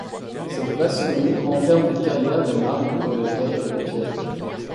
Cette vaste commune renferme des carrières de marbre de grès et de pierres.